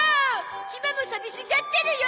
ひまも寂しがってるよ！